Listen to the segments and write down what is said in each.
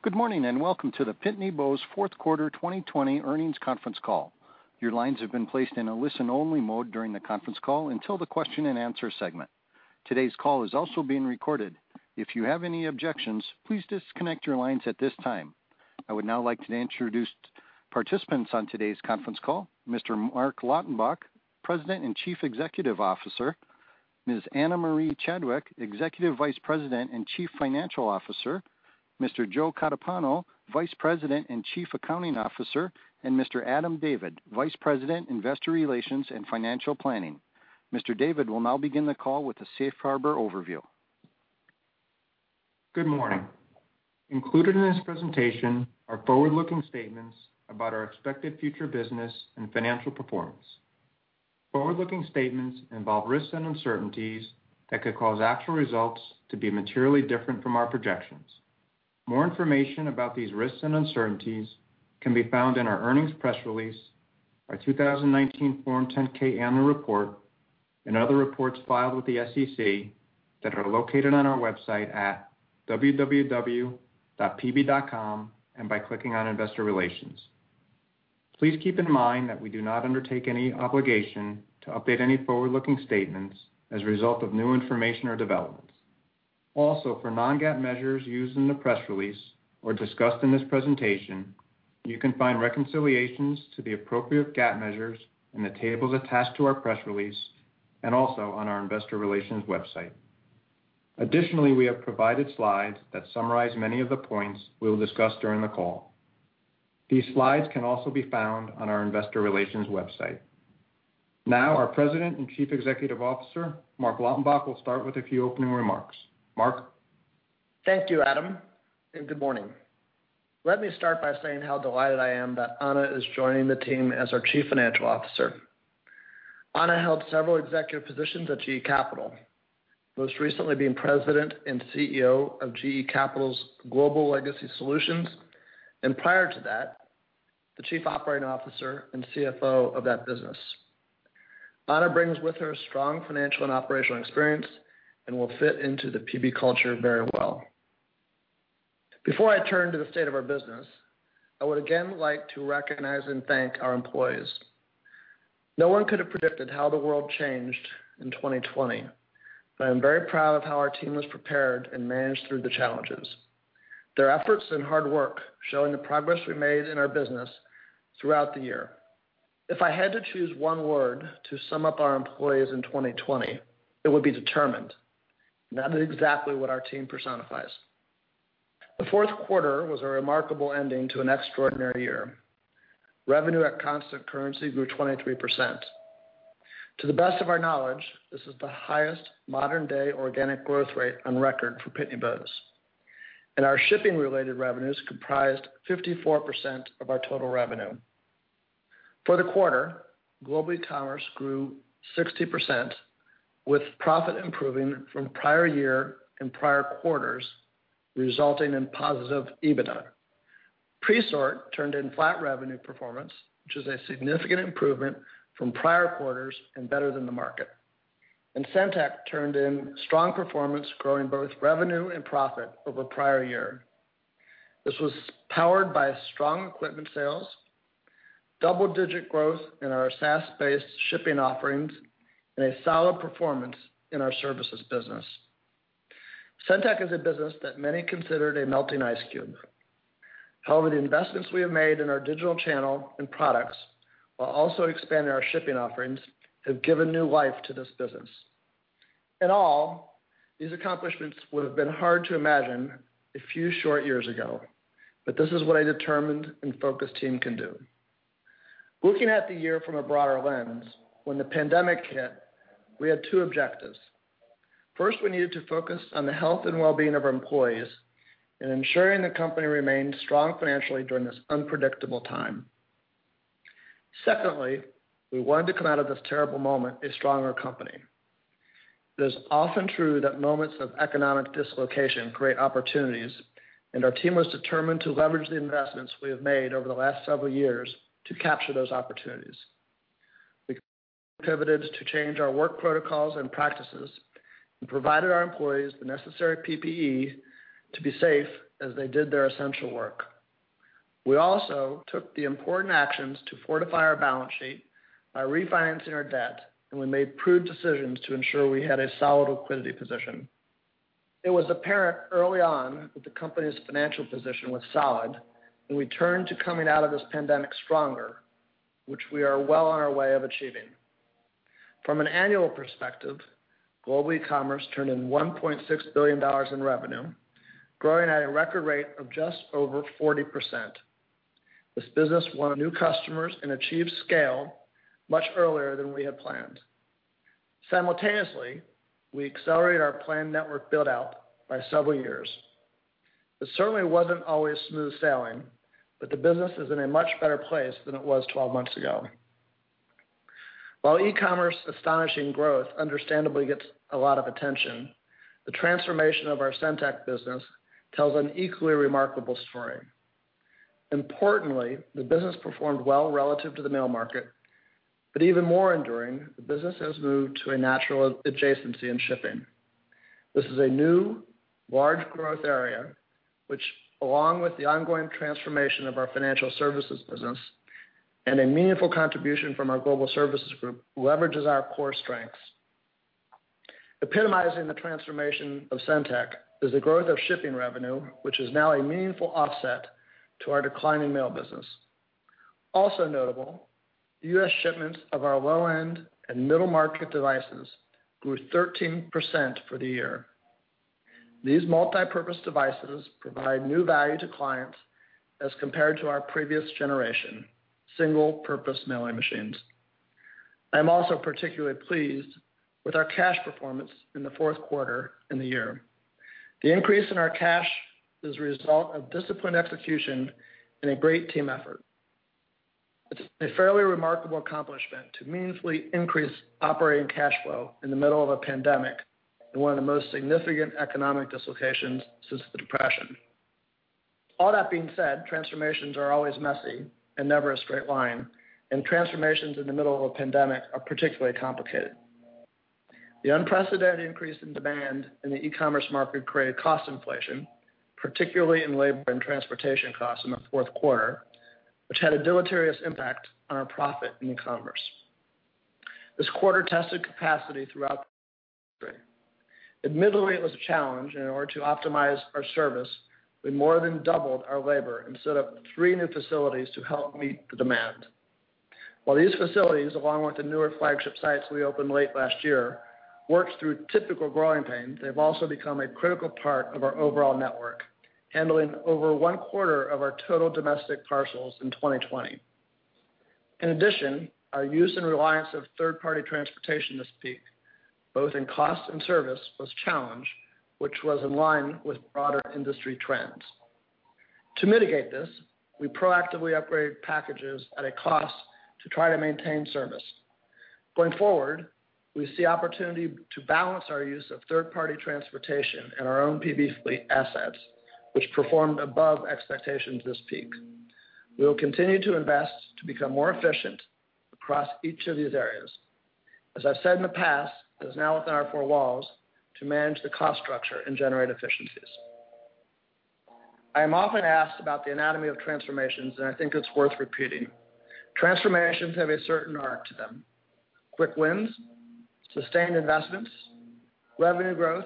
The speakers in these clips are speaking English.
Good morning, and welcome to the Pitney Bowes fourth quarter 2020 earnings conference call. Your lines have been placed in a listen-only mode during the conference call until the question-and-answer segment. Today's call is also being recorded. If you have any objections, please disconnect your lines at this time. I would now like to introduce participants on today's conference call. Mr. Marc Lautenbach, President and Chief Executive Officer, Ms. Ana Maria Chadwick, Executive Vice President and Chief Financial Officer, Mr. Joe Catapano, Vice President and Chief Accounting Officer, and Mr. Adam David, Vice President, Investor Relations and Financial Planning. Mr. David will now begin the call with a safe harbor overview. Good morning. Included in this presentation are forward-looking statements about our expected future business and financial performance. Forward-looking statements involve risks and uncertainties that could cause actual results to be materially different from our projections. More information about these risks and uncertainties can be found in our earnings press release, our 2019 Form 10-K Annual Report, and other reports filed with the SEC that are located on our website at www.pb.com and by clicking on investor relations. Please keep in mind that we do not undertake any obligation to update any forward-looking statements as a result of new information or developments. Also, for non-GAAP measures used in the press release or discussed in this presentation, you can find reconciliations to the appropriate GAAP measures in the tables attached to our press release and also on our investor relations website. Additionally, we have provided slides that summarize many of the points we will discuss during the call. These slides can also be found on our investor relations website. Now, our President and Chief Executive Officer, Marc Lautenbach, will start with a few opening remarks. Marc? Thank you, Adam. Good morning. Let me start by saying how delighted I am that Ana is joining the team as our Chief Financial Officer. Ana held several executive positions at GE Capital, most recently being President and CEO of GE Capital's Global Legacy Solutions, and prior to that, the Chief Operating Officer and CFO of that business. Ana brings with her strong financial and operational experience and will fit into the PB culture very well. Before I turn to the state of our business, I would again like to recognize and thank our employees. No one could have predicted how the world changed in 2020. I'm very proud of how our team was prepared and managed through the challenges, their efforts and hard work showing the progress we made in our business throughout the year. If I had to choose one word to sum up our employees in 2020, it would be determined. That is exactly what our team personifies. The fourth quarter was a remarkable ending to an extraordinary year. Revenue at constant currency grew 23%. To the best of our knowledge, this is the highest modern-day organic growth rate on record for Pitney Bowes, and our shipping-related revenues comprised 54% of our total revenue. For the quarter, Global Ecommerce grew 60%, with profit improving from prior year and prior quarters, resulting in positive EBITDA. Presort turned in flat revenue performance, which is a significant improvement from prior quarters and better than the market. SendTech turned in strong performance, growing both revenue and profit over prior year. This was powered by strong equipment sales, double-digit growth in our SaaS-based shipping offerings, and a solid performance in our services business. SendTech is a business that many considered a melting ice cube. However, the investments we have made in our digital channel and products, while also expanding our shipping offerings, have given new life to this business. In all, these accomplishments would have been hard to imagine a few short years ago, but this is what a determined and focused team can do. Looking at the year from a broader lens, when the pandemic hit, we had two objectives. First, we needed to focus on the health and well-being of our employees and ensuring the company remained strong financially during this unpredictable time. Secondly, we wanted to come out of this terrible moment a stronger company. It is often true that moments of economic dislocation create opportunities, and our team was determined to leverage the investments we have made over the last several years to capture those opportunities. We pivoted to change our work protocols and practices and provided our employees the necessary PPE to be safe as they did their essential work. We also took the important actions to fortify our balance sheet by refinancing our debt, and we made prudent decisions to ensure we had a solid liquidity position. It was apparent early on that the company's financial position was solid, and we turned to coming out of this pandemic stronger, which we are well on our way of achieving. From an annual perspective, Global Ecommerce turned in $1.6 billion in revenue, growing at a record rate of just over 40%. This business won new customers and achieved scale much earlier than we had planned. Simultaneously, we accelerated our planned network build-out by several years. It certainly wasn't always smooth sailing, but the business is in a much better place than it was 12 months ago. While e-commerce astonishing growth understandably gets a lot of attention, the transformation of our SendTech business tells an equally remarkable story. Importantly, the business performed well relative to the mail market, but even more enduring, the business has moved to a natural adjacency in shipping. This is a new, large growth area, which, along with the ongoing transformation of our financial services business and a meaningful contribution from our global services group, leverages our core strengths. Epitomizing the transformation of SendTech is the growth of shipping revenue, which is now a meaningful offset to our declining mail business. Also notable, U.S. shipments of our low-end and middle-market devices grew 13% for the year. These multipurpose devices provide new value to clients as compared to our previous generation, single-purpose mailing machines. I'm also particularly pleased with our cash performance in the fourth quarter and the year. The increase in our cash is a result of disciplined execution and a great team effort. It's a fairly remarkable accomplishment to meaningfully increase operating cash flow in the middle of a pandemic, and one of the most significant economic dislocations since the depression. All that being said, transformations are always messy and never a straight line, and transformations in the middle of a pandemic are particularly complicated. The unprecedented increase in demand in the e-commerce market created cost inflation, particularly in labor and transportation costs in the fourth quarter, which had a deleterious impact on our profit in e-commerce. This quarter tested capacity throughout. Admittedly, it was a challenge in order to optimize our service, we more than doubled our labor and set up three new facilities to help meet the demand. While these facilities, along with the newer flagship sites we opened late last year, worked through typical growing pains, they've also become a critical part of our overall network, handling over 1/4 of our total domestic parcels in 2020. In addition, our use and reliance of third-party transportation this peak, both in cost and service, was challenged, which was in line with broader industry trends. To mitigate this, we proactively upgraded packages at a cost to try to maintain service. Going forward, we see opportunity to balance our use of third-party transportation and our own PB fleet assets, which performed above expectations this peak. We will continue to invest to become more efficient across each of these areas, as I've said in the past, it is now within our four walls to manage the cost structure and generate efficiencies. I am often asked about the anatomy of transformations, and I think it's worth repeating. Transformations have a certain arc to them. Quick wins, sustained investments, revenue growth,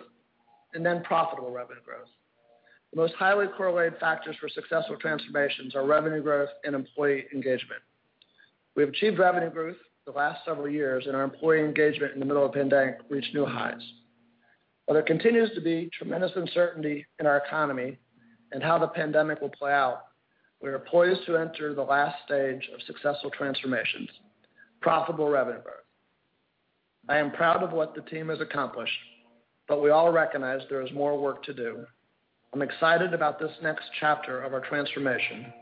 and then profitable revenue growth. The most highly correlated factors for successful transformations are revenue growth and employee engagement. We have achieved revenue growth the last several years, and our employee engagement in the middle of a pandemic reached new highs. While there continues to be tremendous uncertainty in our economy and how the pandemic will play out, we are poised to enter the last stage of successful transformations, profitable revenue growth. I am proud of what the team has accomplished, but we all recognize there is more work to do. I'm excited about this next chapter of our transformation.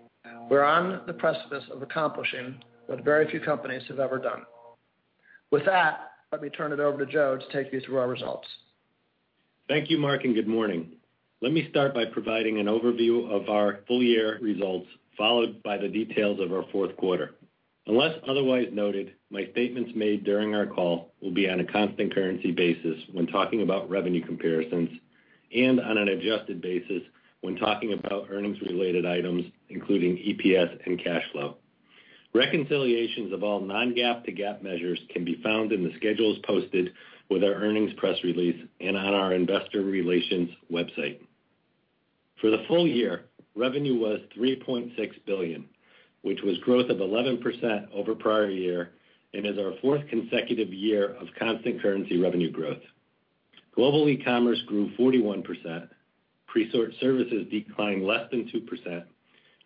We're on the precipice of accomplishing what very few companies have ever done. With that, let me turn it over to Joe to take you through our results. Thank you, Marc, and good morning. Let me start by providing an overview of our full-year results, followed by the details of our fourth quarter. Unless otherwise noted, my statements made during our call will be on a constant currency basis when talking about revenue comparisons, and on an adjusted basis when talking about earnings-related items, including EPS and cash flow. Reconciliations of all non-GAAP to GAAP measures can be found in the schedules posted with our earnings press release and on our investor relations website. For the full year, revenue was $3.6 billion, which was growth of 11% over prior year and is our fourth consecutive year of constant currency revenue growth. Global Ecommerce grew 41%, Presort Services declined less than 2%,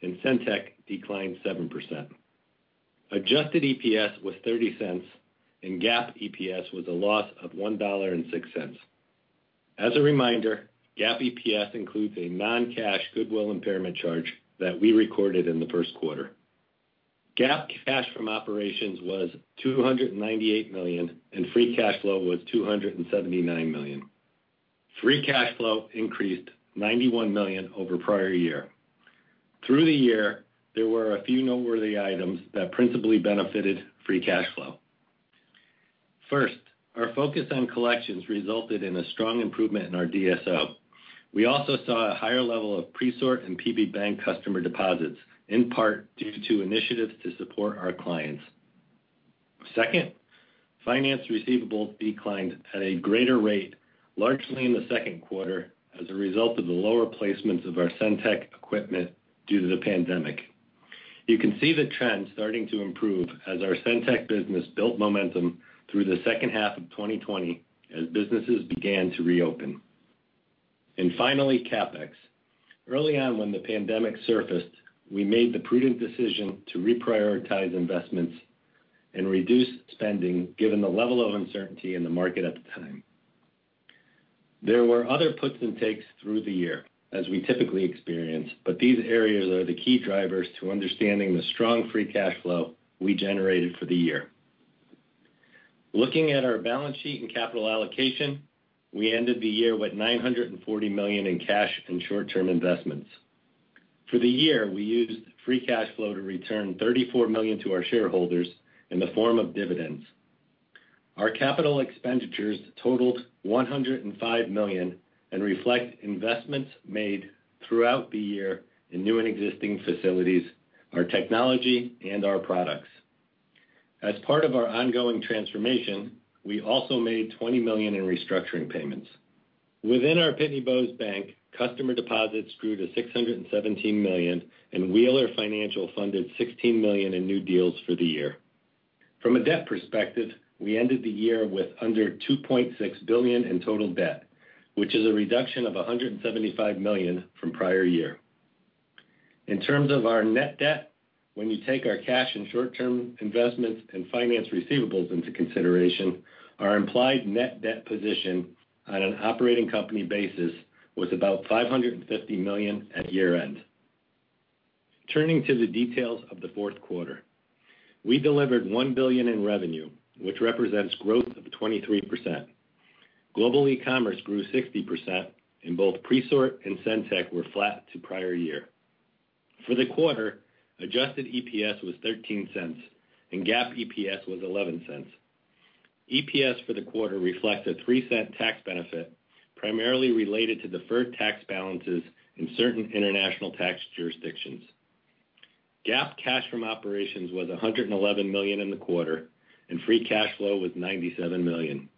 and SendTech declined 7%. Adjusted EPS was $0.30, and GAAP EPS was a loss of $1.06. As a reminder, GAAP EPS includes a non-cash goodwill impairment charge that we recorded in the first quarter. GAAP cash from operations was $298 million, and free cash flow was $279 million. Free cash flow increased $91 million over prior year. Through the year, there were a few noteworthy items that principally benefited free cash flow. First, our focus on collections resulted in a strong improvement in our DSO. We also saw a higher level of Presort and PB Bank customer deposits, in part due to initiatives to support our clients. Second, finance receivables declined at a greater rate, largely in the second quarter, as a result of the lower placements of our SendTech equipment due to the pandemic. You can see the trend starting to improve as our SendTech business built momentum through the second half of 2020 as businesses began to reopen. Finally, CapEx. Early on when the pandemic surfaced, we made the prudent decision to reprioritize investments and reduce spending given the level of uncertainty in the market at the time. There were other puts and takes through the year, as we typically experience, but these areas are the key drivers to understanding the strong free cash flow we generated for the year. Looking at our balance sheet and capital allocation, we ended the year with $940 million in cash and short-term investments. For the year, we used free cash flow to return $34 million to our shareholders in the form of dividends. Our capital expenditures totaled $105 million and reflect investments made throughout the year in new and existing facilities, our technology, and our products. As part of our ongoing transformation, we also made $20 million in restructuring payments. Within our Pitney Bowes Bank, customer deposits grew to $617 million, and Wheeler Financial funded $16 million in new deals for the year. From a debt perspective, we ended the year with under $2.6 billion in total debt, which is a reduction of $175 million from prior year. In terms of our net debt, when you take our cash and short-term investments and finance receivables into consideration, our implied net debt position on an operating company basis was about $550 million at year-end. Turning to the details of the fourth quarter, we delivered $1 billion in revenue, which represents growth of 23%. Global Ecommerce grew 60%, and both Presort and SendTech were flat to prior year. For the quarter, adjusted EPS was $0.13 and GAAP EPS was $0.11. EPS for the quarter reflects a $0.03 tax benefit, primarily related to deferred tax balances in certain international tax jurisdictions. GAAP cash from operations was $111 million in the quarter, and free cash flow was $97 million.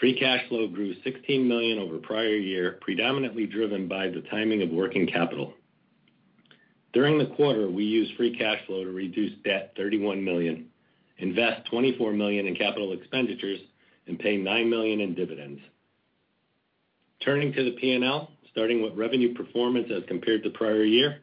Free cash flow grew $16 million over prior year, predominantly driven by the timing of working capital. During the quarter, we used free cash flow to reduce debt $31 million, invest $24 million in capital expenditures, and pay $9 million in dividends. Turning to the P&L, starting with revenue performance as compared to prior year,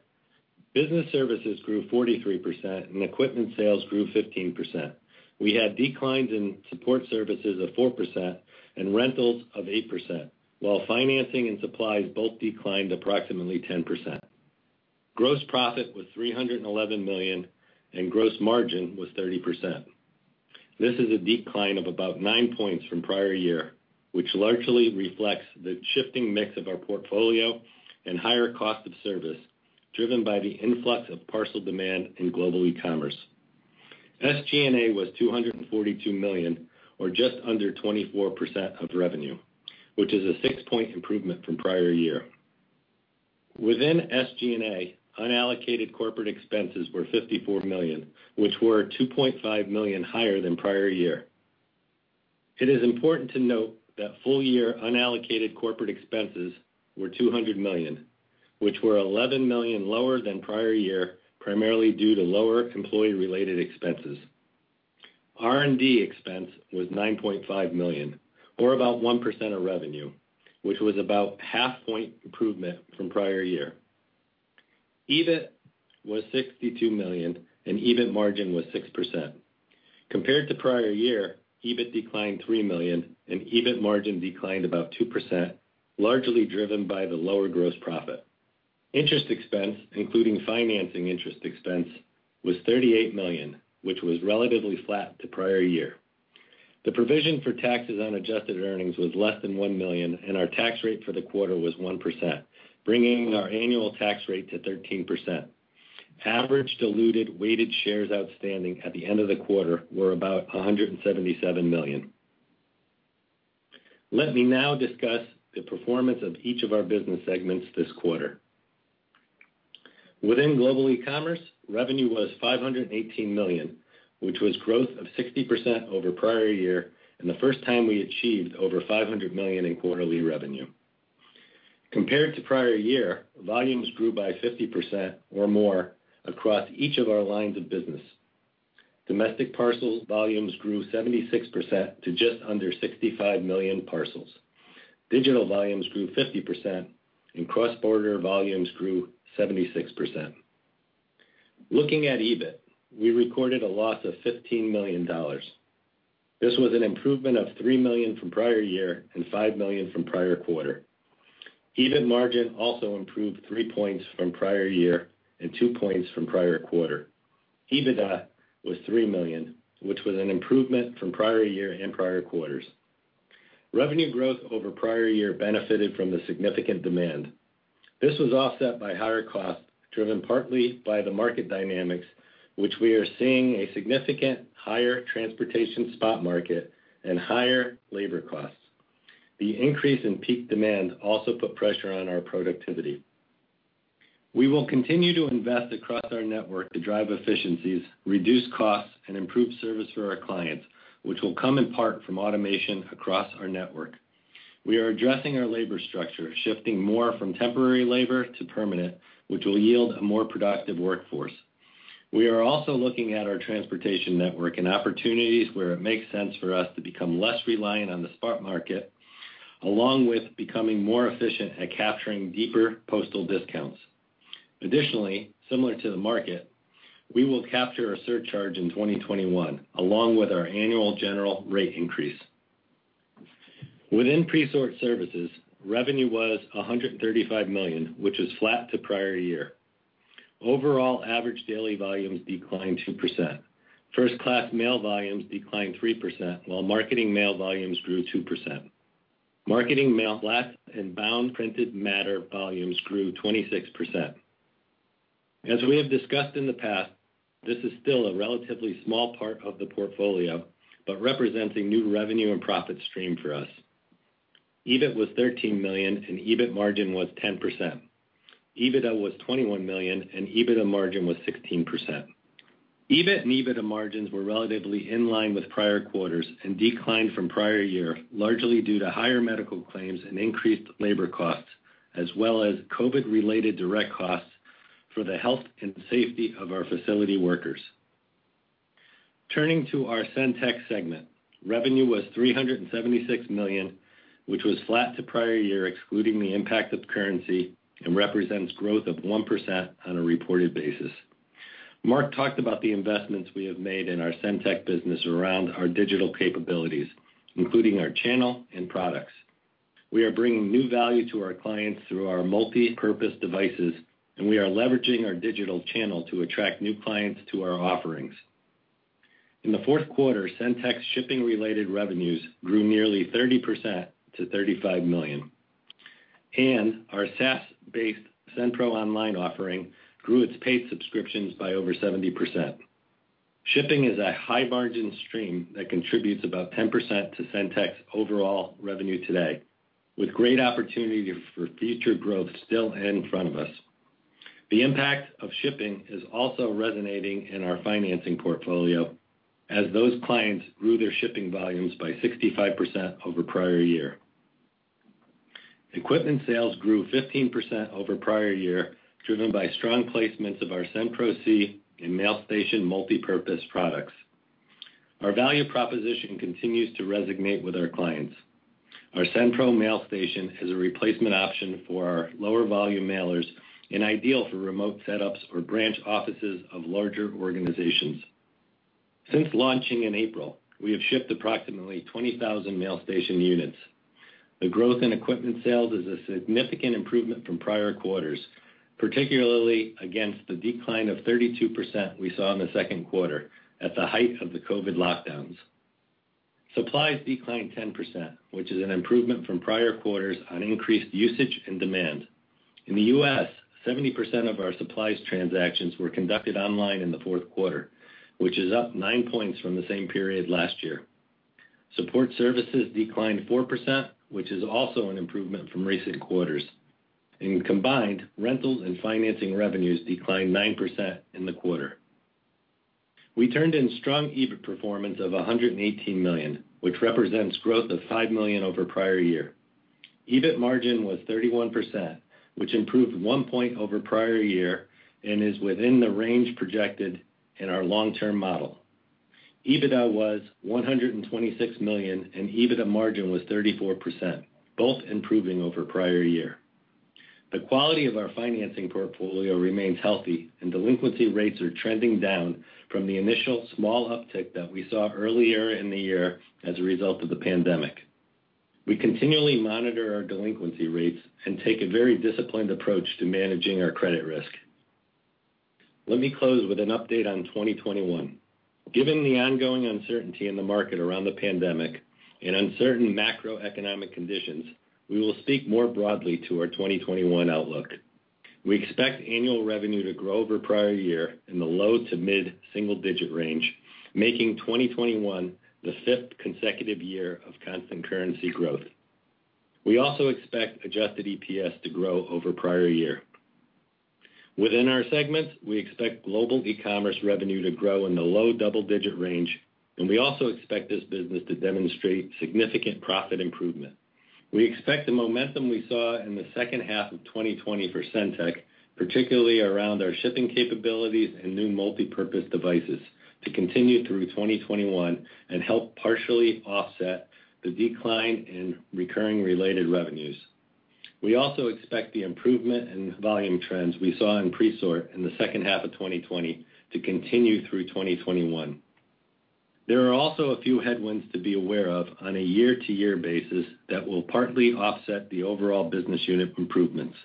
business services grew 43% and equipment sales grew 15%. We had declines in support services of 4% and rentals of 8%, while financing and supplies both declined approximately 10%. Gross profit was $311 million, and gross margin was 30%. This is a decline of about 9 points from prior year, which largely reflects the shifting mix of our portfolio and higher cost of service, driven by the influx of parcel demand in Global Ecommerce. SG&A was $242 million or just under 24% of revenue, which is a 6-point improvement from prior year. Within SG&A, unallocated corporate expenses were $54 million, which were $2.5 million higher than prior year. It is important to note that full-year unallocated corporate expenses were $200 million, which were $11 million lower than prior year, primarily due to lower employee-related expenses. R&D expense was $9.5 million, or about 1% of revenue, which was about 0.5-point improvement from prior year. EBIT was $62 million, and EBIT margin was 6%. Compared to prior year, EBIT declined $3 million, and EBIT margin declined about 2%, largely driven by the lower gross profit. Interest expense, including financing interest expense, was $38 million, which was relatively flat to prior year. The provision for taxes on adjusted earnings was less than $1 million, and our tax rate for the quarter was 1%, bringing our annual tax rate to 13%. Average diluted weighted shares outstanding at the end of the quarter were about 177 million. Let me now discuss the performance of each of our business segments this quarter. Within Global Ecommerce, revenue was $518 million, which was growth of 60% over prior year and the first time we achieved over $500 million in quarterly revenue. Compared to prior year, volumes grew by 50% or more across each of our lines of business. Domestic parcels volumes grew 76% to just under 65 million parcels. Digital volumes grew 50%, and cross-border volumes grew 76%. Looking at EBIT, we recorded a loss of $15 million. This was an improvement of $3 million from prior year and $5 million from prior quarter. EBIT margin also improved 3 points from prior year and 2 points from prior quarter. EBITDA was $3 million, which was an improvement from prior year and prior quarters. Revenue growth over prior year benefited from the significant demand. This was offset by higher costs, driven partly by the market dynamics, which we are seeing a significant higher transportation spot market and higher labor costs. The increase in peak demand also put pressure on our productivity. We will continue to invest across our network to drive efficiencies, reduce costs, and improve service for our clients, which will come in part from automation across our network. We are addressing our labor structure, shifting more from temporary labor to permanent, which will yield a more productive workforce. We are also looking at our transportation network and opportunities where it makes sense for us to become less reliant on the spot market, along with becoming more efficient at capturing deeper postal discounts. Additionally, similar to the market, we will capture a surcharge in 2021, along with our annual general rate increase. Within Presort Services, revenue was $135 million, which was flat to prior year. Overall average daily volumes declined 2%. First-class mail volumes declined 3%, while marketing mail volumes grew 2%. Marketing mail last and bound printed matter volumes grew 26%. As we have discussed in the past, this is still a relatively small part of the portfolio, but represents a new revenue and profit stream for us. EBIT was $13 million, and EBIT margin was 10%. EBITDA was $21 million, and EBITDA margin was 16%. EBIT and EBITDA margins were relatively in line with prior quarters and declined from prior year, largely due to higher medical claims and increased labor costs, as well as COVID-related direct costs for the health and safety of our facility workers. Turning to our SendTech segment, revenue was $376 million, which was flat to prior year, excluding the impact of currency, and represents growth of 1% on a reported basis. Marc talked about the investments we have made in our SendTech business around our digital capabilities, including our channel and products. We are bringing new value to our clients through our multipurpose devices, and we are leveraging our digital channel to attract new clients to our offerings. In the fourth quarter, SendTech shipping-related revenues grew nearly 30% to $35 million, and our SaaS-based SendPro Online offering grew its paid subscriptions by over 70%. Shipping is a high-margin stream that contributes about 10% to SendTech overall revenue today, with great opportunity for future growth still in front of us. The impact of shipping is also resonating in our financing portfolio, as those clients grew their shipping volumes by 65% over prior year. Equipment sales grew 15% over prior year, driven by strong placements of our SendPro C and Mailstation multipurpose products. Our value proposition continues to resonate with our clients. Our SendPro Mailstation is a replacement option for our lower volume mailers and ideal for remote setups or branch offices of larger organizations. Since launching in April, we have shipped approximately 20,000 Mailstation units. The growth in equipment sales is a significant improvement from prior quarters, particularly against the decline of 32% we saw in the second quarter at the height of the COVID lockdowns. Supplies declined 10%, which is an improvement from prior quarters on increased usage and demand. In the U.S., 70% of our supplies transactions were conducted online in the fourth quarter, which is up 9 points from the same period last year. Support services declined 4%, which is also an improvement from recent quarters. In combined, rentals and financing revenues declined 9% in the quarter. We turned in strong EBIT performance of $118 million, which represents growth of $5 million over prior year. EBIT margin was 31%, which improved 1 point over prior year and is within the range projected in our long-term model. EBITDA was $126 million, and EBITDA margin was 34%, both improving over prior year. The quality of our financing portfolio remains healthy, and delinquency rates are trending down from the initial small uptick that we saw earlier in the year as a result of the pandemic. We continually monitor our delinquency rates and take a very disciplined approach to managing our credit risk. Let me close with an update on 2021. Given the ongoing uncertainty in the market around the pandemic and uncertain macroeconomic conditions, we will speak more broadly to our 2021 outlook. We expect annual revenue to grow over prior year in the low to mid-single-digit range, making 2021 the fifth consecutive year of constant currency growth. We also expect adjusted EPS to grow over prior year. Within our segments, we expect Global Ecommerce revenue to grow in the low double-digit range, and we also expect this business to demonstrate significant profit improvement. We expect the momentum we saw in the second half of 2020 for SendTech, particularly around our shipping capabilities and new multipurpose devices, to continue through 2021 and help partially offset the decline in recurring related revenues. We also expect the improvement in volume trends we saw in Presort in the second half of 2020 to continue through 2021. There are also a few headwinds to be aware of on a year-to-year basis that will partly offset the overall business unit improvements.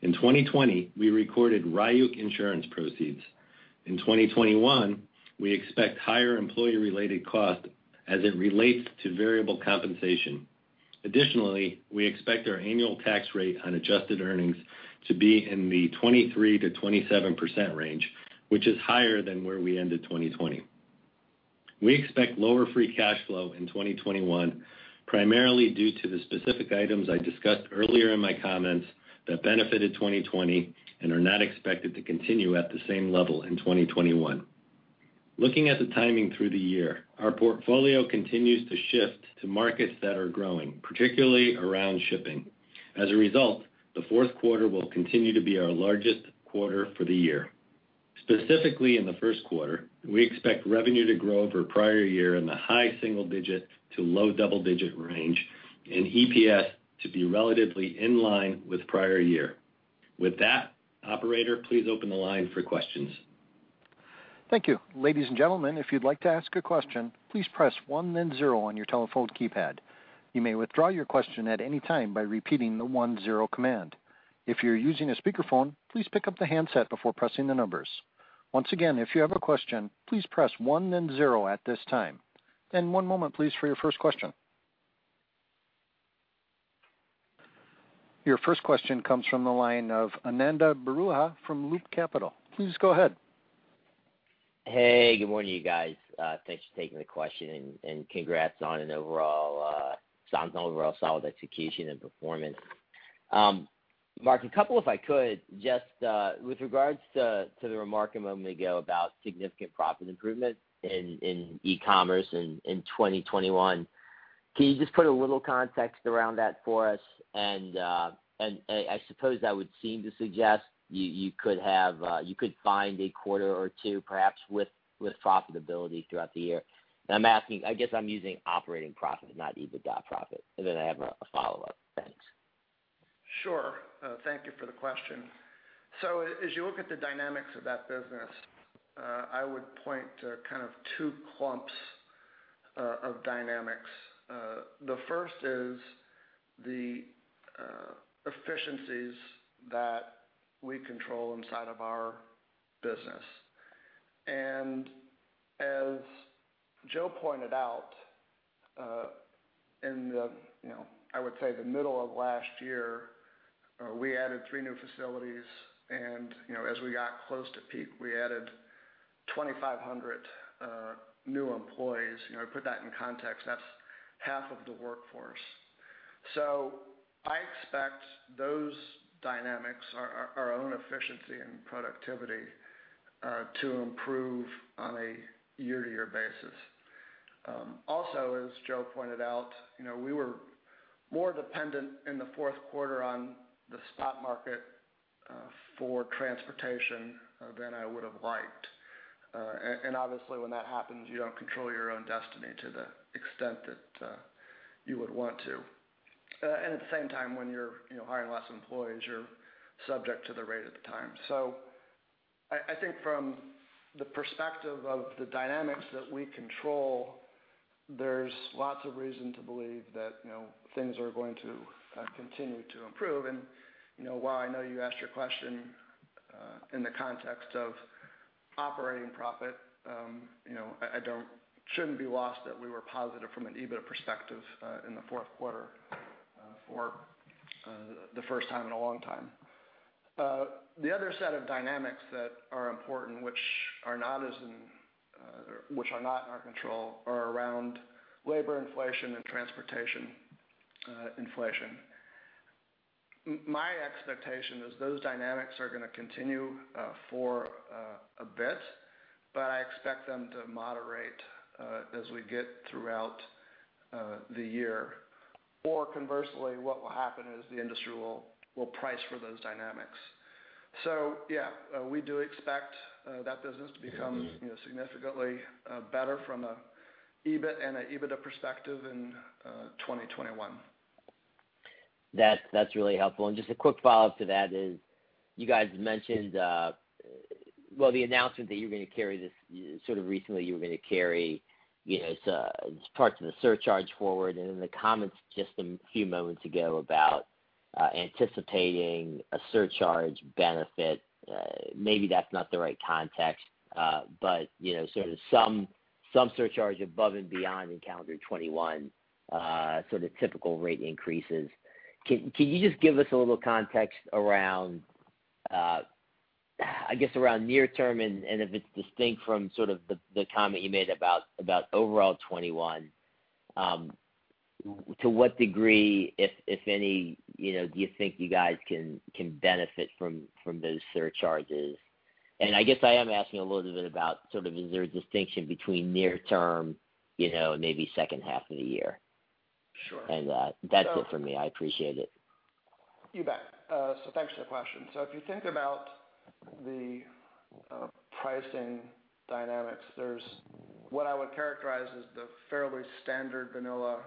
In 2020, we recorded Ryuk insurance proceeds. In 2021, we expect higher employee-related cost as it relates to variable compensation. Additionally, we expect our annual tax rate on adjusted earnings to be in the 23%-27% range, which is higher than where we ended 2020. We expect lower free cash flow in 2021, primarily due to the specific items I discussed earlier in my comments that benefited 2020 and are not expected to continue at the same level in 2021. Looking at the timing through the year, our portfolio continues to shift to markets that are growing, particularly around shipping. As a result, the fourth quarter will continue to be our largest quarter for the year. Specifically, in the first quarter, we expect revenue to grow over prior year in the high single-digit to low double-digit range, and EPS to be relatively in line with prior year. With that, operator, please open the line for questions. Thank you. Ladies and gentlemen, if you would like to ask a question, please press one and zero on your telephone keypad. You may withdraw your question at any time by repeating the one zero command. If you are using a speakerphone, please pick up the handset before pressing the numbers. Once again if you have a question, please press one and zero at this time. One moment please for your first question. Your first question comes from the line of Ananda Baruah from Loop Capital. Please go ahead. Hey, good morning, you guys. Thanks for taking the question, and congrats on an overall solid execution and performance. Marc, a couple if I could, just with regards to the remark a moment ago about significant profit improvement in Ecommerce in 2021, can you just put a little context around that for us? I suppose that would seem to suggest you could find a quarter or two, perhaps, with profitability throughout the year. I guess I'm using operating profit, not EBITDA profit. I have a follow-up. Thanks. Sure. Thank you for the question. As you look at the dynamics of that business, I would point to kind of two clumps of dynamics. The first is the efficiencies that we control inside of our business. As Joe pointed out, in the, I would say the middle of last year, we added three new facilities. As we got close to peak, we added 2,500 new employees. To put that in context, that's half of the workforce. I expect those dynamics, our own efficiency and productivity, to improve on a year-to-year basis. Also, as Joe pointed out, we were more dependent in the fourth quarter on the spot market for transportation than I would have liked. Obviously when that happens, you don't control your own destiny to the extent that you would want to. At the same time, when you're hiring less employees, you're subject to the rate at the time. I think from the perspective of the dynamics that we control, there's lots of reason to believe that things are going to continue to improve. While I know you asked your question in the context of operating profit, it shouldn't be lost that we were positive from an EBITDA perspective in the fourth quarter for the first time in a long time. The other set of dynamics that are important, which are not in our control, are around labor inflation and transportation inflation. My expectation is those dynamics are going to continue for a bit, but I expect them to moderate as we get throughout the year. Or conversely, what will happen is the industry will price for those dynamics. Yeah, we do expect that business to become significantly better from an EBIT and an EBITDA perspective in 2021. That's really helpful. Just a quick follow-up to that is, you guys mentioned the announcement that sort of recently you were going to carry its parts of the surcharge forward and in the comments just a few moments ago about anticipating a surcharge benefit. Maybe that's not the right context, but sort of some surcharge above and beyond in calendar 2021, sort of typical rate increases. Can you just give us a little context around near-term and if it's distinct from sort of the comment you made about overall 2021? To what degree, if any, do you think you guys can benefit from those surcharges? I guess I am asking a little bit about sort of, is there a distinction between near-term and maybe second half of the year? Sure. That's it for me. I appreciate it. You bet. Thanks for the question. If you think about the pricing dynamics, there's what I would characterize as the fairly standard vanilla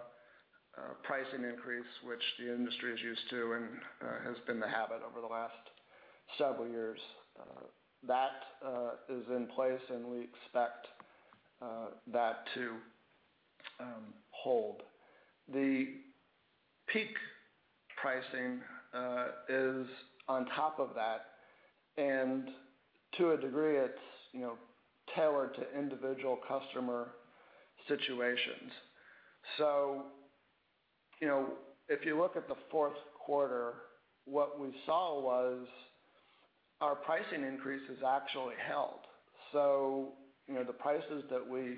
pricing increase, which the industry is used to and has been the habit over the last several years. That is in place, and we expect that to hold. The peak pricing is on top of that, and to a degree, it's tailored to individual customer situations. If you look at the fourth quarter, what we saw was our pricing increases actually held. The prices that we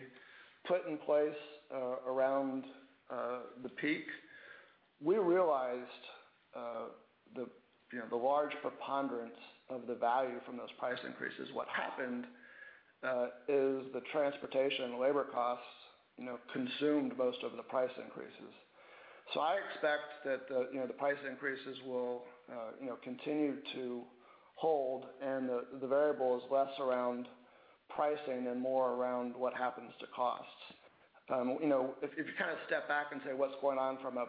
put in place around the peak, we realized the large preponderance of the value from those price increases. What happened is the transportation and labor costs consumed most of the price increases. I expect that the price increases will continue to hold and the variable is less around pricing and more around what happens to costs. If you kind of step back and say what's going on from a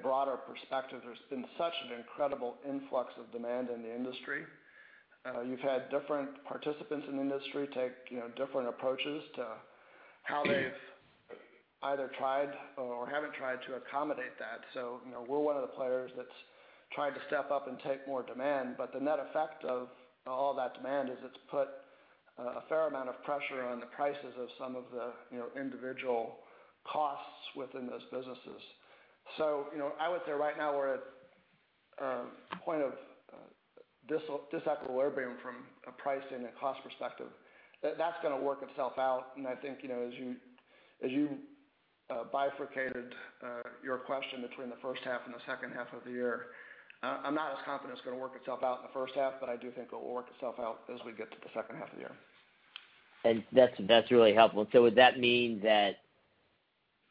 broader perspective, there's been such an incredible influx of demand in the industry. You've had different participants in the industry take different approaches to how they've either tried or haven't tried to accommodate that. We're one of the players that's tried to step up and take more demand, but the net effect of all that demand is it's put a fair amount of pressure on the prices of some of the individual costs within those businesses. I would say right now we're at a point of disequilibrium from a pricing and cost perspective. That's going to work itself out, and I think, as you bifurcated your question between the first half and the second half of the year, I'm not as confident it's going to work itself out in the first half, but I do think it will work itself out as we get to the second half of the year. That's really helpful. Would that mean that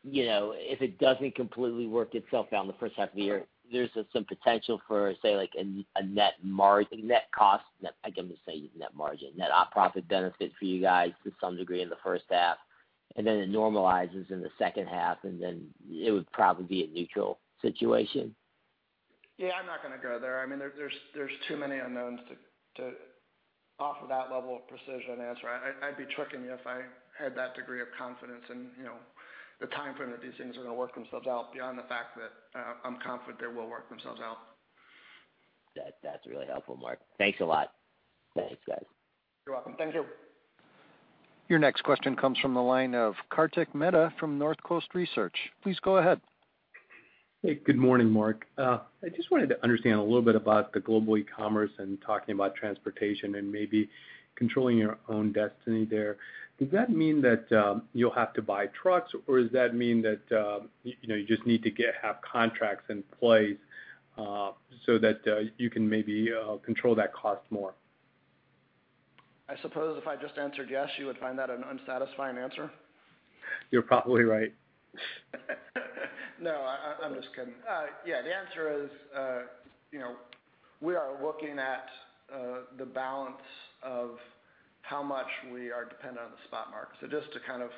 if it doesn't completely work itself out in the first half of the year, there's some potential for, say, like a net cost, I'm going to say net margin, net op profit benefit for you guys to some degree in the first half, and then it normalizes in the second half, and then it would probably be a neutral situation? I'm not going to go there. There's too many unknowns to offer that level of precision answer. I'd be tricking you if I had that degree of confidence in the timeframe that these things are going to work themselves out beyond the fact that I'm confident they will work themselves out. That's really helpful, Marc. Thanks a lot. Thanks, guys. You're welcome. Thank you. Your next question comes from the line of Kartik Mehta from Northcoast Research. Please go ahead. Hey. Good morning, Marc. I just wanted to understand a little bit about the Global Ecommerce and talking about transportation and maybe controlling your own destiny there. Does that mean that you'll have to buy trucks, or does that mean that you just need to have contracts in place, so that you can maybe control that cost more? I suppose if I just answered yes, you would find that an unsatisfying answer. You're probably right. No, I'm just kidding. Yeah, the answer is, we are looking at the balance of how much we are dependent on the spot market. Just to kind of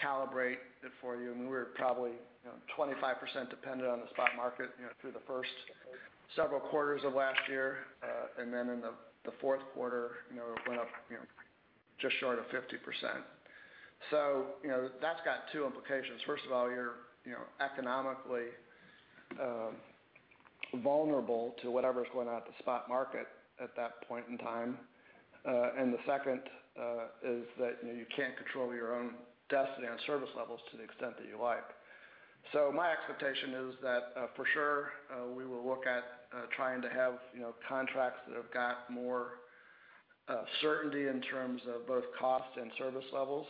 calibrate it for you, we were probably 25% dependent on the spot market through the first several quarters of last year. In the fourth quarter, it went up just short of 50%. That's got two implications. First of all, you're economically vulnerable to whatever's going on at the spot market at that point in time. The second is that you can't control your own destiny on service levels to the extent that you like. My expectation is that, for sure, we will look at trying to have contracts that have got more certainty in terms of both cost and service levels.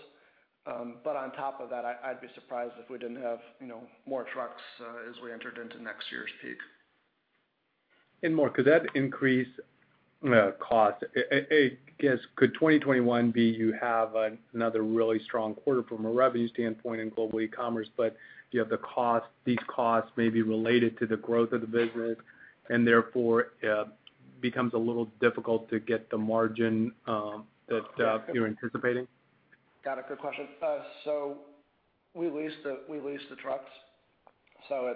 On top of that, I'd be surprised if we didn't have more trucks as we entered into next year's peak. Marc, could that increase cost? I guess, could 2021 be you have another really strong quarter from a revenue standpoint in Global Ecommerce, but you have these costs may be related to the growth of the business and therefore it becomes a little difficult to get the margin that you're anticipating? Got it. Good question. We lease the trucks, so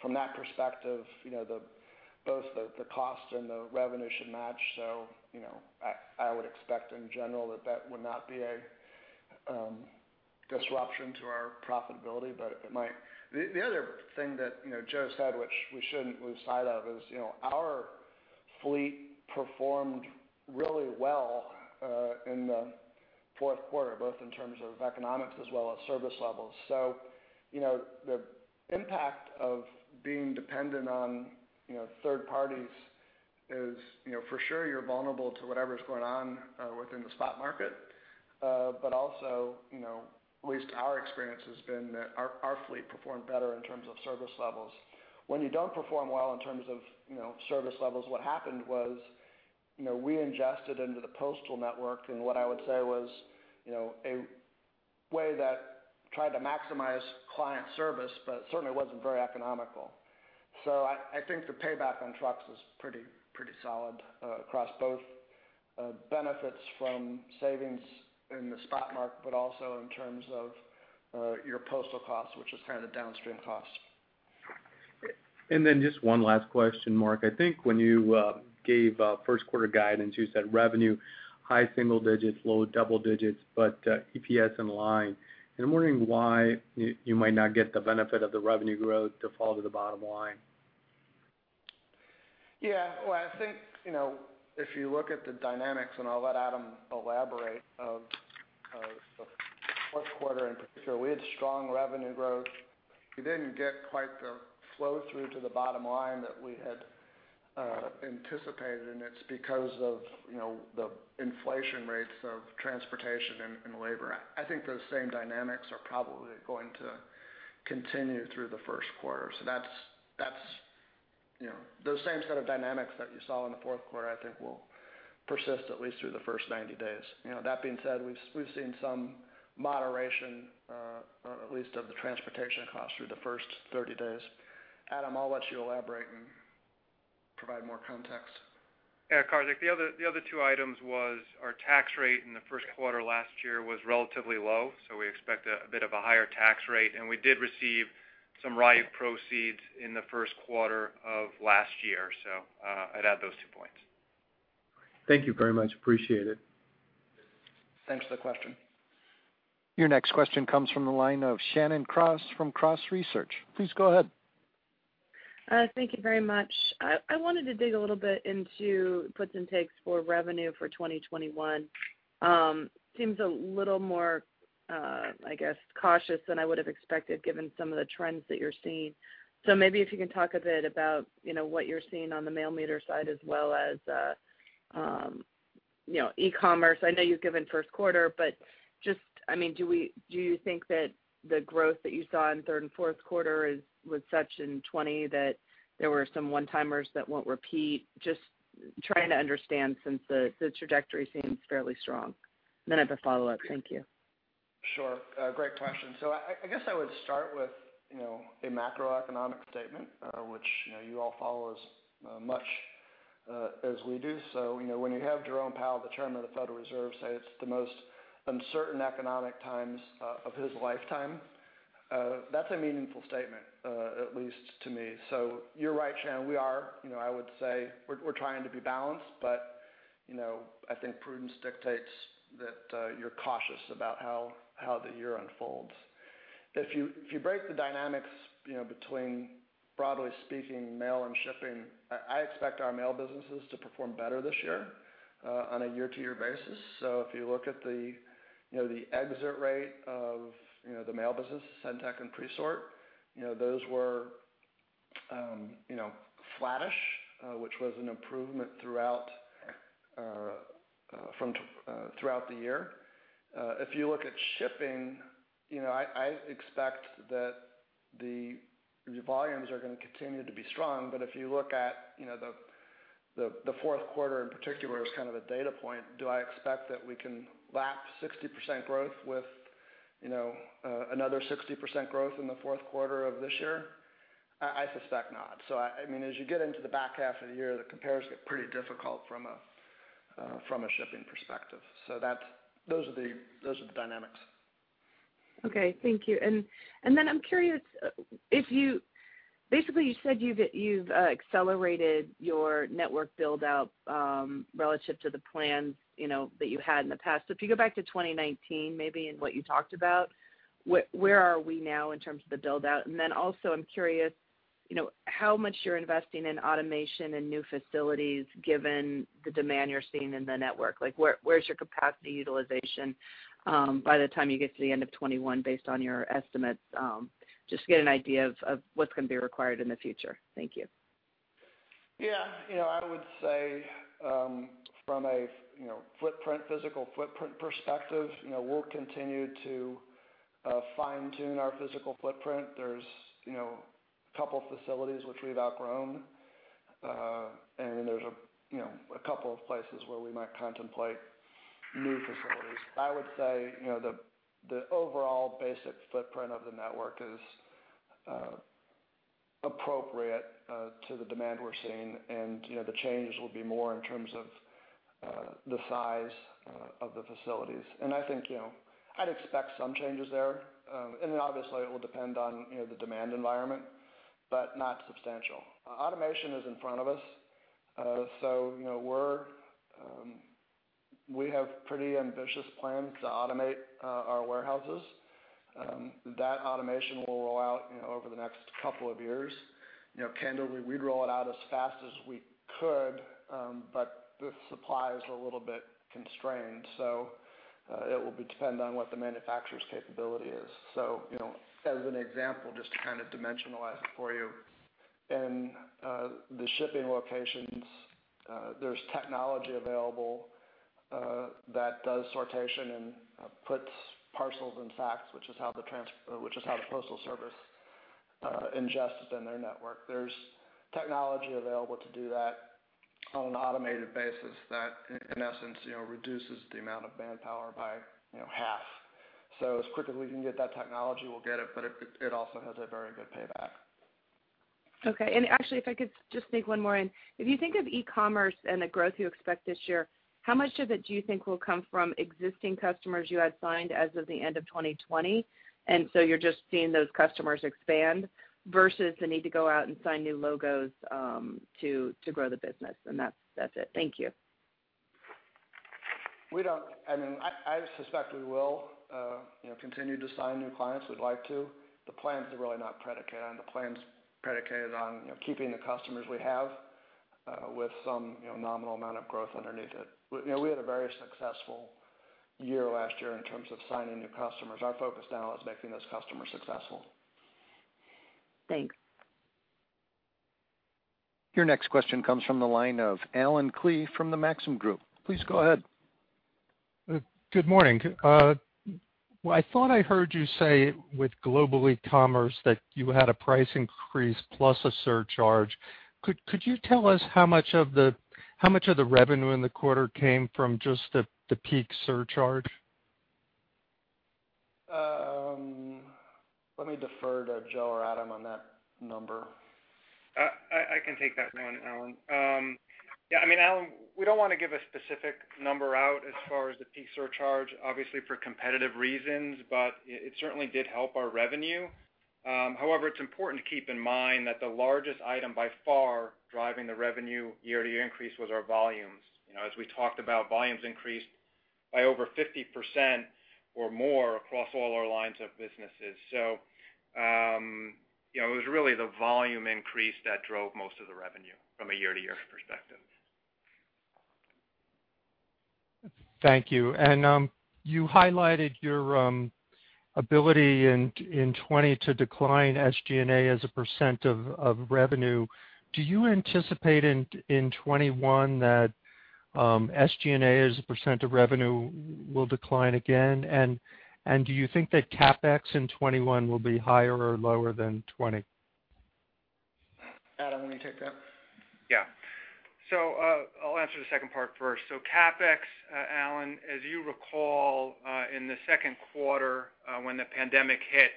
from that perspective, both the cost and the revenue should match. I would expect in general that that would not be a disruption to our profitability. The other thing that Joe said, which we shouldn't lose sight of is, our fleet performed really well in the fourth quarter, both in terms of economics as well as service levels. The impact of being dependent on third-parties is for sure you're vulnerable to whatever's going on within the spot market. Also, at least our experience has been that our fleet performed better in terms of service levels. When you don't perform well in terms of service levels, what happened was we ingested into the postal network in what I would say was a way that tried to maximize client service, but certainly wasn't very economical. I think the payback on trucks was pretty solid across both benefits from savings in the spot market, but also in terms of your postal costs, which is kind of the downstream cost. Just one last question, Marc. I think when you gave first quarter guidance, you said revenue high single digits, low double digits, but EPS in line. I'm wondering why you might not get the benefit of the revenue growth to fall to the bottom line. I think, if you look at the dynamics, and I'll let Adam elaborate, of the fourth quarter in particular, we had strong revenue growth. We didn't get quite the flow through to the bottom line that we had anticipated. It's because of the inflation rates of transportation and labor. I think those same dynamics are probably going to continue through the first quarter. Those same set of dynamics that you saw in the fourth quarter, I think will persist at least through the first 90 days. That being said, we've seen some moderation, or at least of the transportation cost through the first 30 days. Adam, I'll let you elaborate and provide more context. Yeah, Kartik. The other two items was our tax rate in the first quarter last year was relatively low, so we expect a bit of a higher tax rate, and we did receive some Ryuk proceeds in the first quarter of last year. I'd add those two points. Thank you very much. Appreciate it. Thanks for the question. Your next question comes from the line of Shannon Cross from Cross Research. Please go ahead. Thank you very much. I wanted to dig a little bit into puts and takes for revenue for 2021. Seems a little more, I guess, cautious than I would have expected given some of the trends that you're seeing. Maybe if you can talk a bit about what you're seeing on the mail meter side as well as e-commerce. I know you've given first quarter, but do you think that the growth that you saw in third and fourth quarter was such in 2020 that there were some one-timers that won't repeat? Just trying to understand since the trajectory seems fairly strong. Then I have a follow-up. Thank you. Sure. Great question. I guess I would start with a macroeconomic statement, which you all follow as much as we do. When you have Jerome Powell, the Chairman of the Federal Reserve, say it's the most uncertain economic times of his lifetime, that's a meaningful statement, at least to me. You're right, Shannon, we are, I would say, we're trying to be balanced, but I think prudence dictates that you're cautious about how the year unfolds. If you break the dynamics between, broadly speaking, mail and shipping, I expect our mail businesses to perform better this year on a year-to-year basis. If you look at the exit rate of the mail business, SendTech and Presort, those were flattish, which was an improvement throughout the year. If you look at shipping, I expect that the volumes are going to continue to be strong, but if you look at the fourth quarter in particular as kind of a data point, do I expect that we can lap 60% growth with another 60% growth in the fourth quarter of this year? I suspect not. As you get into the back half of the year, the compares get pretty difficult from a shipping perspective. Those are the dynamics. Okay. Thank you. Then I'm curious, basically you said you've accelerated your network build-out relative to the plans that you had in the past. If you go back to 2019 maybe and what you talked about, where are we now in terms of the build-out? Also I'm curious how much you're investing in automation and new facilities given the demand you're seeing in the network. Where's your capacity utilization by the time you get to the end of 2021 based on your estimates? Just to get an idea of what's going to be required in the future. Thank you. Yeah. I would say from a physical footprint perspective, we'll continue to fine-tune our physical footprint. There's a couple facilities which we've outgrown, and there's a couple of places where we might contemplate new facilities. I would say the overall basic footprint of the network is appropriate to the demand we're seeing. The changes will be more in terms of the size of the facilities. I think I'd expect some changes there. Obviously it will depend on the demand environment, but not substantial. Automation is in front of us. We have pretty ambitious plans to automate our warehouses. That automation will roll out over the next couple of years. Candidly, we'd roll it out as fast as we could, but the supply is a little bit constrained, so it will depend on what the manufacturer's capability is. As an example, just to kind of dimensionalize it for you, in the shipping locations, there's technology available that does sortation and puts parcels and facts, which is how the postal service ingests it in their network. There's technology available to do that on an automated basis that, in essence, reduces the amount of manpower by half. As quick as we can get that technology, we'll get it, but it also has a very good payback. Okay. Actually, if I could just sneak one more in. If you think of e-commerce and the growth you expect this year, how much of it do you think will come from existing customers you had signed as of the end of 2020? You're just seeing those customers expand versus the need to go out and sign new logos to grow the business? That's it. Thank you. I suspect we will continue to sign new clients. We'd like to. The plans are really not predicated on it. The plan's predicated on keeping the customers we have with some nominal amount of growth underneath it. We had a very successful year last year in terms of signing new customers. Our focus now is making those customers successful. Thanks. Your next question comes from the line of Allen Klee from the Maxim Group. Please go ahead. Good morning. I thought I heard you say with Global Ecommerce that you had a price increase plus a surcharge. Could you tell us how much of the revenue in the quarter came from just the peak surcharge? Let me defer to Joe or Adam on that number. I can take that one, Allen. Allen, we don't want to give a specific number out as far as the peak surcharge, obviously, for competitive reasons, but it certainly did help our revenue. However, it's important to keep in mind that the largest item by far, driving the revenue year-to-year increase was our volumes. As we talked about, volumes increased by over 50% or more across all our lines of businesses. It was really the volume increase that drove most of the revenue from a year-to-year perspective. Thank you. You highlighted your ability in 2020 to decline SG&A as a percent of revenue. Do you anticipate in 2021 that SG&A, as a percent of revenue, will decline again? Do you think that CapEx in 2021 will be higher or lower than 2020? Adam, why don't you take that? Yeah. I'll answer the second part first. CapEx, Allen, as you recall, in the second quarter, when the pandemic hit,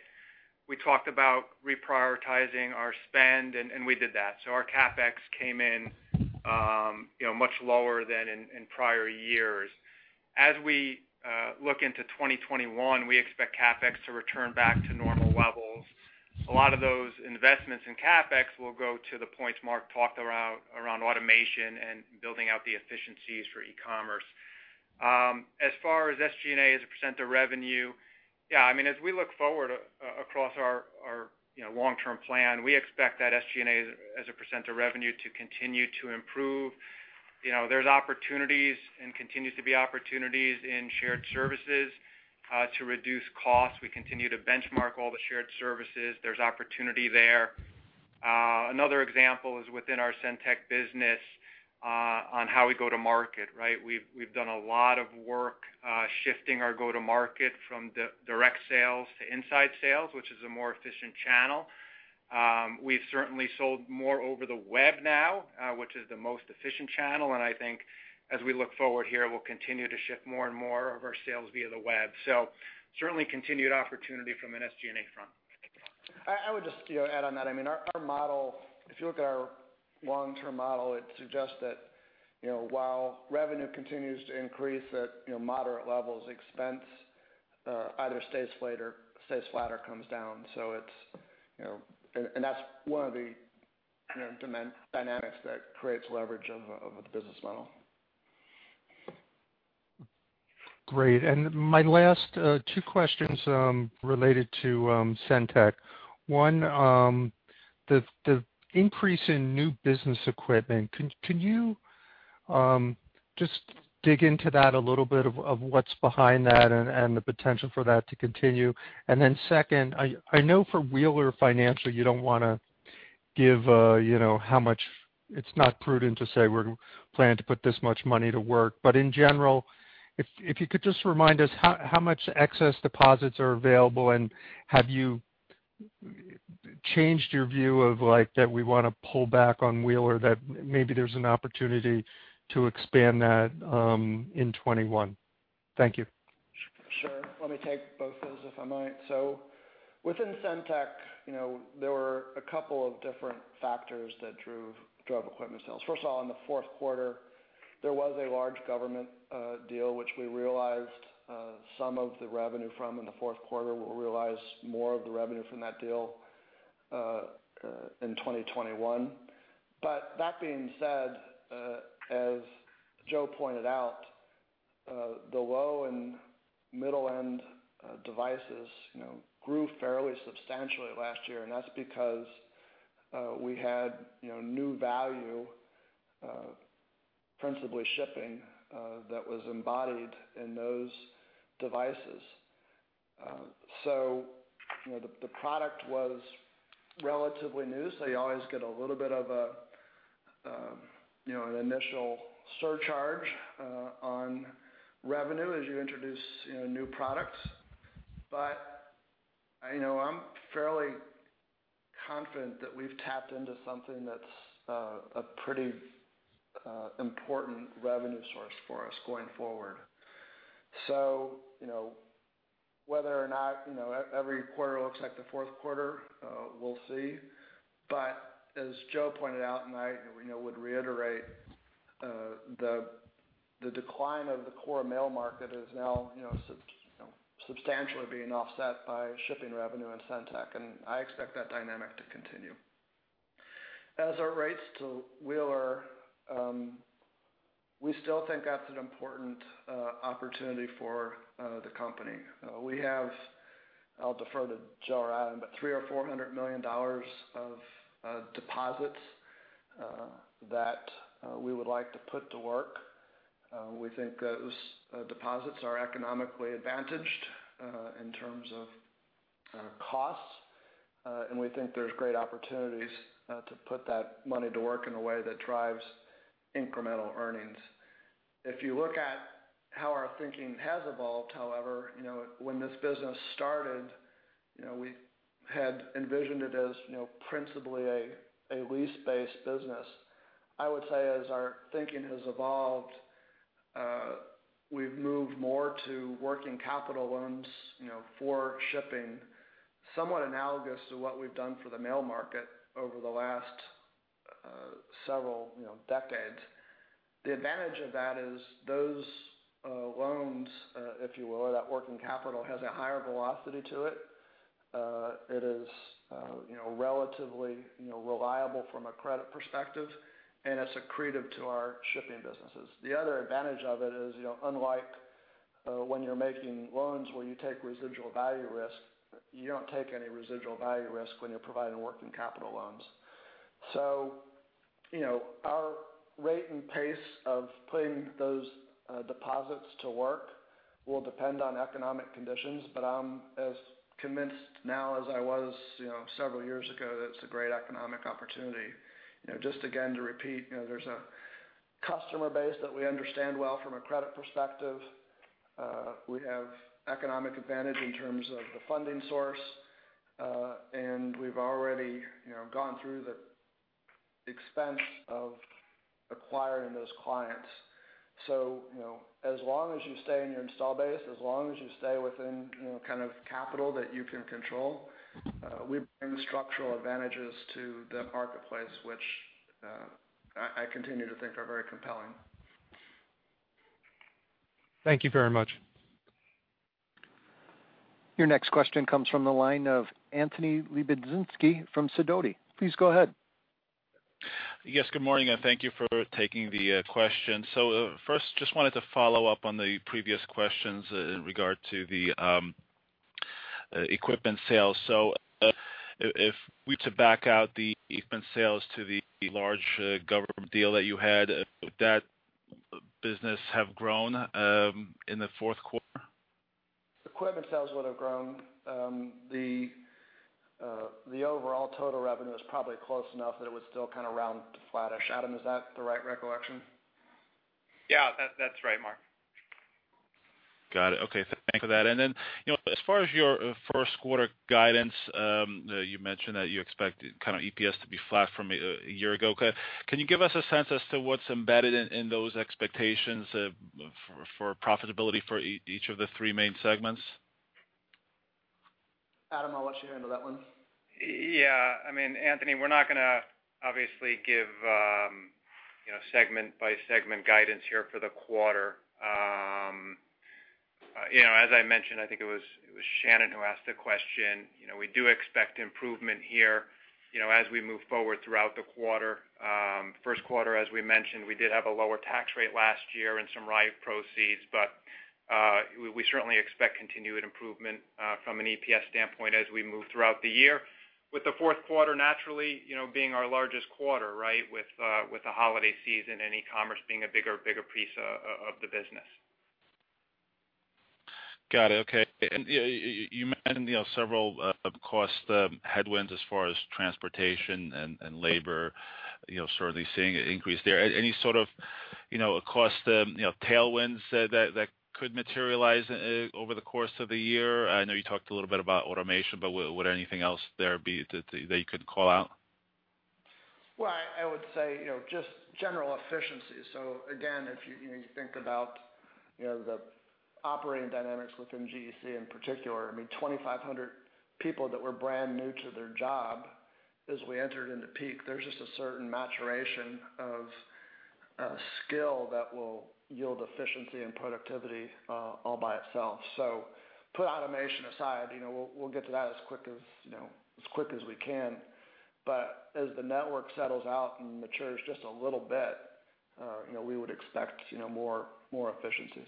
we talked about reprioritizing our spend, and we did that. Our CapEx came in much lower than in prior years. As we look into 2021, we expect CapEx to return back to normal levels. A lot of those investments in CapEx will go to the points Marc talked around automation and building out the efficiencies for Ecommerce. As far as SG&A as a percent of revenue, as we look forward across our long-term plan, we expect that SG&A as a percent of revenue to continue to improve. There's opportunities and continues to be opportunities in shared services, to reduce costs. We continue to benchmark all the shared services. There's opportunity there. Another example is within our SendTech business, on how we go to market, right? We've done a lot of work shifting our go-to-market from direct sales to inside sales, which is a more efficient channel. We've certainly sold more over the web now, which is the most efficient channel. I think as we look forward here, we'll continue to shift more and more of our sales via the web. Certainly continued opportunity from an SG&A front. I would just add on that. Our model, if you look at our long-term model, it suggests that while revenue continues to increase at moderate levels, expense either stays flat or comes down. That's one of the demand dynamics that creates leverage of the business model. Great. My last two questions related to SendTech. One, the increase in new business equipment, can you just dig into that a little bit, of what's behind that and the potential for that to continue? Second, I know for Wheeler Financial, you don't want to give how much. It's not prudent to say we plan to put this much money to work. In general, if you could just remind us how much excess deposits are available, and have you changed your view of that we want to pull back on Wheeler, that maybe there's an opportunity to expand that in 2021? Thank you. Sure. Let me take both of those, if I might. Within SendTech, there were a couple of different factors that drove equipment sales. First of all, in the fourth quarter, there was a large government deal, which we realized some of the revenue from in the fourth quarter. We'll realize more of the revenue from that deal in 2021. That being said, as Joe pointed out, the low and middle-end devices grew fairly substantially last year. That's because we had new value, principally shipping, that was embodied in those devices. The product was relatively new, so you always get a little bit of an initial surcharge on revenue as you introduce new products. I'm fairly confident that we've tapped into something that's a pretty important revenue source for us going forward. Whether or not every quarter looks like the fourth quarter, we'll see. As Joe pointed out, and I would reiterate, the decline of the core mail market is now substantially being offset by shipping revenue in SendTech, and I expect that dynamic to continue. As it relates to Wheeler, we still think that's an important opportunity for the company. I'll defer to Joe or Adam, but $300 million or $400 million of deposits that we would like to put to work. We think those deposits are economically advantaged in terms of costs. We think there's great opportunities to put that money to work in a way that drives incremental earnings. If you look at how our thinking has evolved, however, when this business started, we had envisioned it as principally a lease-based business. I would say as our thinking has evolved. We've moved more to working capital loans for shipping, somewhat analogous to what we've done for the mail market over the last several decades. The advantage of that is those loans, if you will, or that working capital, has a higher velocity to it. It is relatively reliable from a credit perspective, and it's accretive to our shipping businesses. The other advantage of it is, unlike when you're making loans where you take residual value risk, you don't take any residual value risk when you're providing working capital loans. Our rate and pace of putting those deposits to work will depend on economic conditions. I'm as convinced now as I was several years ago that it's a great economic opportunity. Just again, to repeat, there's a customer base that we understand well from a credit perspective. We have economic advantage in terms of the funding source. We've already gone through the expense of acquiring those clients. As long as you stay in your install base, as long as you stay within kind of capital that you can control, we bring structural advantages to the marketplace, which I continue to think are very compelling. Thank you very much. Your next question comes from the line of Anthony Lebiedzinski from Sidoti. Please go ahead. Yes, good morning. Thank you for taking the question. First, just wanted to follow up on the previous questions in regard to the equipment sales. If we were to back out the equipment sales to the large government deal that you had, would that business have grown in the fourth quarter? Equipment sales would've grown. The overall total revenue is probably close enough that it would still kind of round to flattish. Adam, is that the right recollection? Yeah. That's right, Marc. Got it. Okay. Thank you for that. As far as your first quarter guidance, you mentioned that you expect kind of EPS to be flat from a year ago. Can you give us a sense as to what's embedded in those expectations for profitability for each of the three main segments? Adam, I'll let you handle that one. Yeah. I mean, Anthony, we're not going to obviously give segment by segment guidance here for the quarter. As I mentioned, I think it was Shannon who asked the question. We do expect improvement here as we move forward throughout the quarter. First quarter, as we mentioned, we did have a lower tax rate last year and some Ryuk proceeds. We certainly expect continued improvement from an EPS standpoint as we move throughout the year. With the fourth quarter naturally being our largest quarter, with the holiday season and e-commerce being a bigger piece of the business. Got it. Okay. You mentioned several cost headwinds as far as transportation and labor certainly seeing an increase there. Any sort of cost tailwinds that could materialize over the course of the year? I know you talked a little bit about automation, but would anything else there be that you could call out? Well, I would say just general efficiency. Again, if you think about the operating dynamics within GEC in particular, I mean, 2,500 people that were brand new to their job as we entered into peak. There's just a certain maturation of skill that will yield efficiency and productivity all by itself. Put automation aside. We'll get to that as quick as we can. As the network settles out and matures just a little bit, we would expect more efficiencies.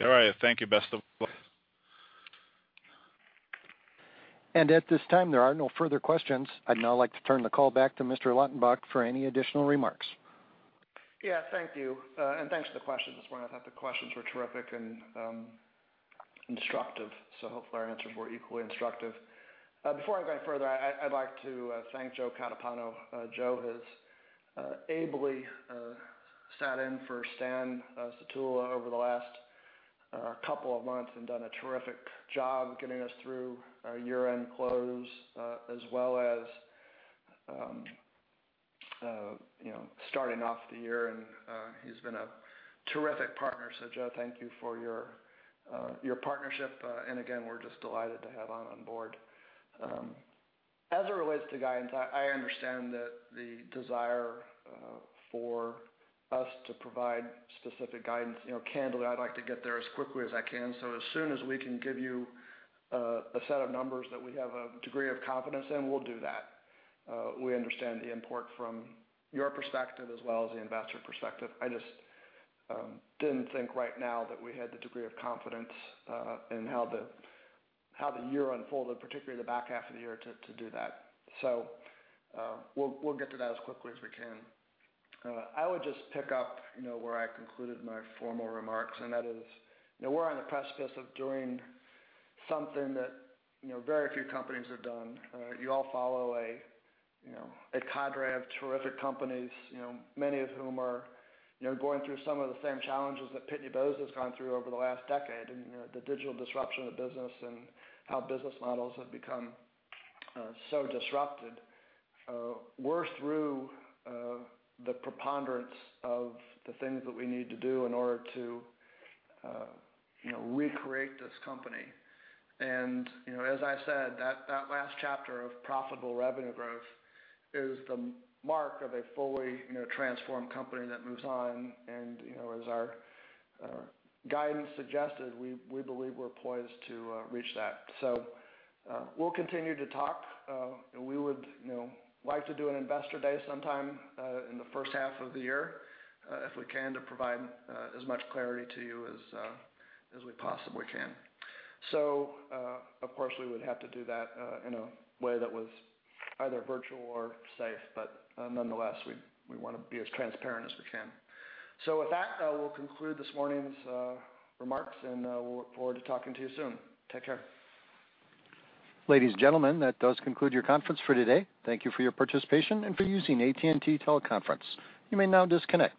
All right. Thank you. Best of luck. At this time, there are no further questions. I'd now like to turn the call back to Mr. Lautenbach for any additional remarks. Yeah. Thank you. Thanks for the questions this morning. I thought the questions were terrific and instructive. Hopefully our answers were equally instructive. Before I go any further, I'd like to thank Joe Catapano. Joe has ably sat in for Stan Sutula over the last couple of months and done a terrific job getting us through our year-end close, as well as starting off the year. He's been a terrific partner. Joe, thank you for your partnership. Again, we're just delighted to have on board. As it relates to guidance, I understand that the desire for us to provide specific guidance. Candidly, I'd like to get there as quickly as I can. As soon as we can give you a set of numbers that we have a degree of confidence in, we'll do that. We understand the import from your perspective as well as the investor perspective. I just didn't think right now that we had the degree of confidence in how the year unfolded, particularly the back half of the year, to do that. We'll get to that as quickly as we can. I would just pick up where I concluded my formal remarks, and that is we're on the precipice of doing something that very few companies have done. You all follow a cadre of terrific companies, many of whom are going through some of the same challenges that Pitney Bowes has gone through over the last decade in the digital disruption of business and how business models have become so disrupted. We're through the preponderance of the things that we need to do in order to recreate this company. As I said, that last chapter of profitable revenue growth is the mark of a fully transformed company that moves on. As our guidance suggested, we believe we're poised to reach that. We'll continue to talk. We would like to do an Investor Day sometime in the first half of the year, if we can, to provide as much clarity to you as we possibly can. Of course, we would have to do that in a way that was either virtual or safe. Nonetheless, we want to be as transparent as we can. With that, I will conclude this morning's remarks, and we'll look forward to talking to you soon. Take care. Ladies and gentlemen, that does conclude your conference for today. Thank you for your participation and for using AT&T Teleconference. You may now disconnect.